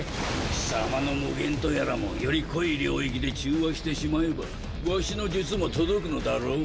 貴様の「無限」とやらもより濃い領域で中和してしまえばわしの術も届くのだろう？